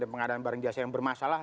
dengan barang dan jasa yang bermasalah